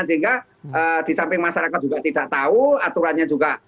sehingga di samping masyarakat juga tidak tahu aturannya juga